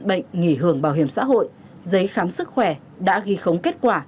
bệnh nghỉ hưởng bảo hiểm xã hội giấy khám sức khỏe đã ghi khống kết quả